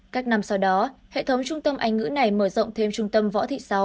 các năm sau đó hệ thống trung tâm anh ngữ này mở rộng thêm trung tâm võ thị sáu